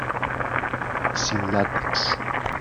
Sin látex.